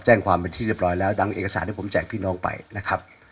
แจ้งความเป็นที่เรียบร้อยแล้วดังเอกสารที่ผมแจกพี่น้องไปนะครับ